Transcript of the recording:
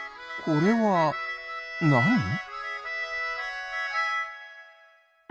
これはなに？